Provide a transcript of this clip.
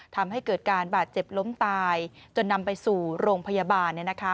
ทำให้เกิดการบาดเจ็บล้มตายจนนำไปสู่โรงพยาบาลเนี่ยนะคะ